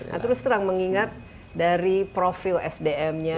nah terus terang mengingat dari profil sdm nya